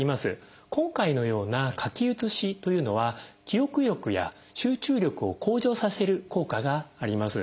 今回のような書き写しというのは記憶力や集中力を向上させる効果があります。